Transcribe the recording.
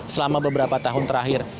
selama beberapa tahun terakhir